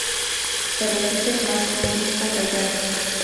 Te repites más que un disco rayado